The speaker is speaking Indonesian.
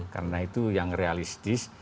karena itu yang realistis